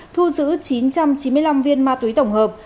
thu giữ chín trăm chín mươi năm viên ma túy tổng hợp